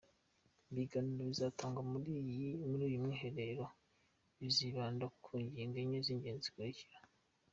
Ibiganiro bizatangwa muri iyi uyu mwiherero bizibanda ku ngingo enye z’ingenzi zikurikira:.